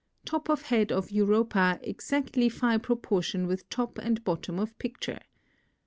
Top of head of Europa exactly Phi proportion with top and bottom of picture.